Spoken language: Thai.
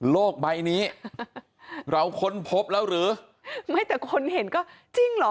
ใบนี้เราค้นพบแล้วหรือไม่แต่คนเห็นก็จริงเหรอ